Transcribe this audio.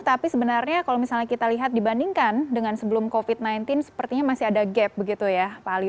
tapi sebenarnya kalau misalnya kita lihat dibandingkan dengan sebelum covid sembilan belas sepertinya masih ada gap begitu ya pak ali